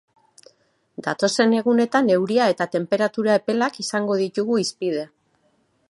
Datozen egunetan euria eta tenperatura epelak izango ditugu hizpide.